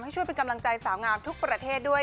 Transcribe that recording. ช่วยเป็นกำลังใจสาวงามทุกประเทศด้วย